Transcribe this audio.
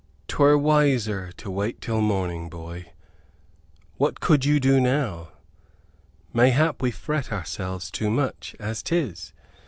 "'Twere wiser to wait till morning, boy. What could you do now? Mayhap we fret ourselves too much, as 'tis.